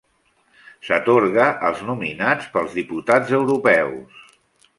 S'atorga als nominats pels diputats europeus.